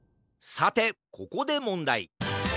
さてここでもんだい！